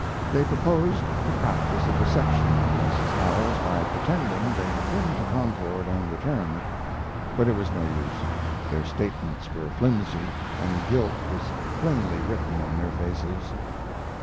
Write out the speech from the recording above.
They proposed to practise a deception on Mrs. Howells by pretending they had been to Concord and returned. But it was no use. Their statements were flimsy, and guilt was plainly written on their faces.